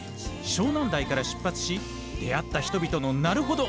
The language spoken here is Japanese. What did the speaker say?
湘南台から出発し出会った人々のなるほど！